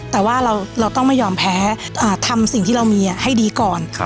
แต่ว่าเราต้องไม่ยอมแพ้ทำสิ่งที่เรามีให้ดีก่อน